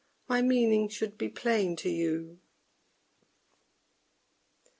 My meaning should be plain to you!